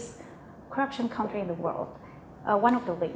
negara yang paling terburu buru di dunia